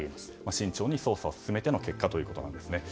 慎重に捜査を進めての結果ということなんですね。